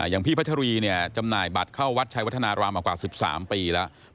อย่างพี่พัชรีเนี่ยจำหน่ายบัตรเข้าวัดชัยวัฒนารามมากว่า๑๓ปีแล้ว